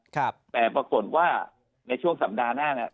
แต่ปรากฏในช่วงสัปดาห์หน้านั้น